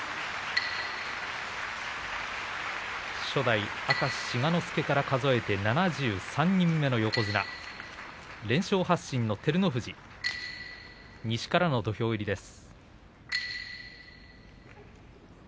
初代明石志賀之助から数えて７３人目の横綱、連勝発進の照ノ富士西からの土俵入りです。